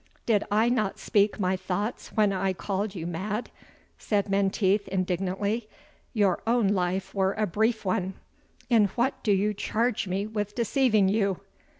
"Did I not speak my thoughts when I called you mad," said Menteith, indignantly, "your own life were a brief one. In what do you charge me with deceiving you?"